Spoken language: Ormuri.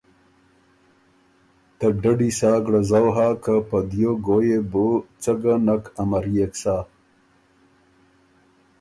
ته ډډی سا ګړزؤ هۀ که په دیو ګویٛ يې بُو څۀ ګۀ نک امريېک سۀ۔